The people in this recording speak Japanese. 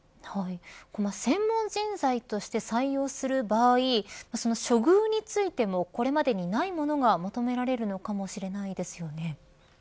専門人材として採用する場合処遇についてもこれまでにないものが求められるのかもしれないですよね。